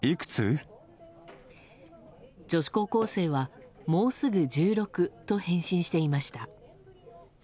女子高校生は、もうすぐ１６と返信していました。